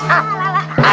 ah lah lah lah